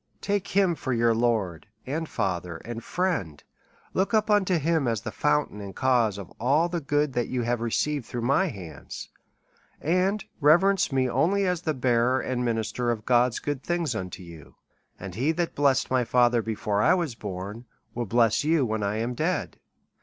Take him for your Lord, and Father, and Friend, look up to him as the fountain and cause of all the good that you have received through my hands ; and reverence me only as the bearer and minister of God's good things unto you. And he that blessed my fa ther before I was born, will bless you when I am dead.